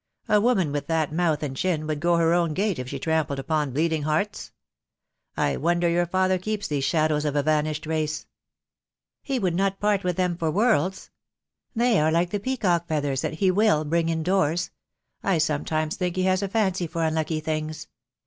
A woman with that mouth and chin would go her own gate if she trampled upon bleeding hearts. I wonder your father keeps these sha dows of a vanished race." "He would not part with them for worlds. They are like the peacock's feathers that he will bring indoors. I sometimes think he has a fancy for unlucky things.